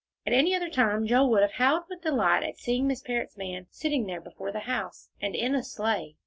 At any other time Joel would have howled with delight at seeing Miss Parrott's man sitting there before the house, and in a sleigh.